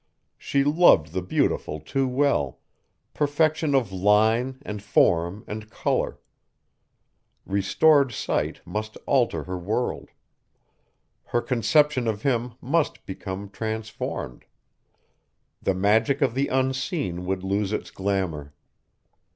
She loved the beautiful too well, perfection of line and form and color. Restored sight must alter her world; her conception of him must become transformed. The magic of the unseen would lose its glamor.